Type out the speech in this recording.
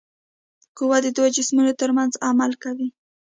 قوه د دوو جسمونو ترمنځ عمل کوي.